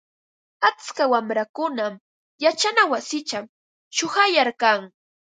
Atska wamrakunam yachana wasichaw chuqayarkan.